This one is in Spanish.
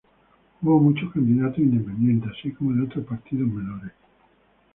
Hubo muchos candidatos independientes, así como de otros partidos menores.